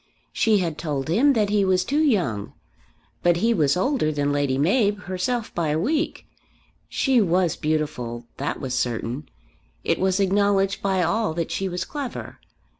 She had told him that he was too young, but he was older than Lady Mab herself by a week. She was beautiful; that was certain. It was acknowledged by all that she was clever.